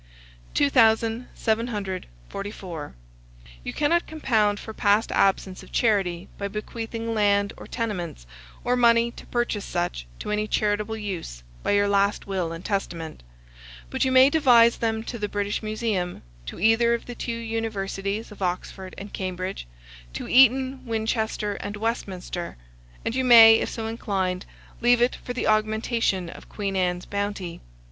2744. You cannot compound for past absence of charity by bequeathing land or tenements, or money to purchase such, to any charitable use, by your last will and testament; but you may devise them to the British Museum, to either of the two universities of Oxford and Cambridge, to Eton, Winchester, and Westminster; and you may, if so inclined, leave it for the augmentation of Queen Anne's bounty.